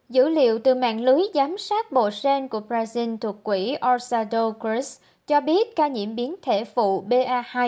dữ liệu từ mạng lưới giám sát bộ sen của brazil thuộc quỹ orsado cruz cho biết ca nhiễm biến thể phụ ba hai